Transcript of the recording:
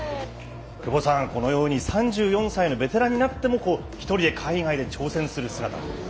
久保さん、このように３４歳のベテランになっても１人で海外で挑戦する姿。